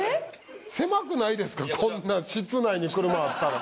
狭くないですかこんな室内に車あったら。